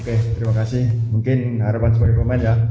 terima kasih mungkin harapan seperti pemain ya